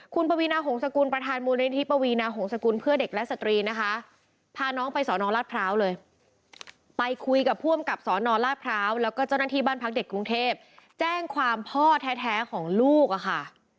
คุณปวีนาหงษกุลประธานมูลนิธิปวีนาหงษกุลเพื่อเด็กและสตรีนะคะพาน้องไปสอนองรัฐพร้าวเลยไปคุยกับผู้อำกับสนราชพร้าวแล้วก็เจ้าหน้าที่บ้านพักเด็กกรุงเทพแจ้งความพ่อแท้ของลูกอะค่ะ